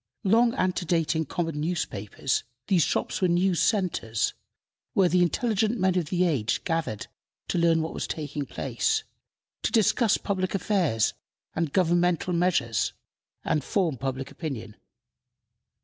Long antedating common newspapers, these shops were news centers, where the intelligent men of the age gathered to learn what was taking place, to discuss public affairs and governmental measures, and form public opinion.